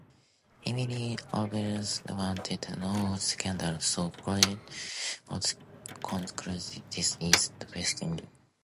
Emily Arundell wanted no scandal, so Poirot concludes this is the best ending.